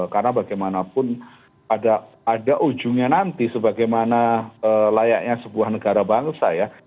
karena bagaimanapun ada ujungnya nanti sebagaimana layaknya sebuah negara bangsa ya